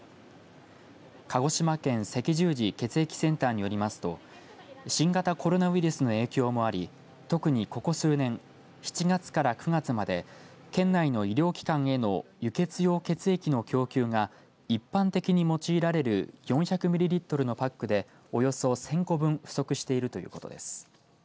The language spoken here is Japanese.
鹿児島県赤十字血液センターによりますと新型コロナウイルスの影響もあり特にここ数年７月から９月まで県内の医療機関への輸血用血液の供給が一般的に用いられる４００ミリリットルのパックでおよそ１０００個分不足しているということです。